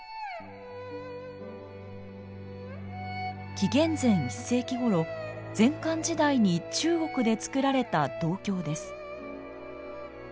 紀元前１世紀ごろ前漢時代に中国で作られた銅鏡です。